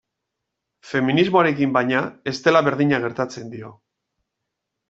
Feminismoarekin, baina, ez dela berdina gertatzen dio.